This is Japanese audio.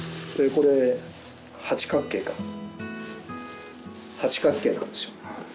これ八角形か八角形なんですよ